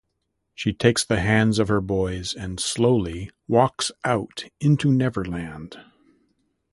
She takes the hands of her boys and slowly walks out into Neverland.